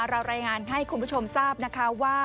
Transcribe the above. รายงานให้คุณผู้ชมทราบนะคะว่า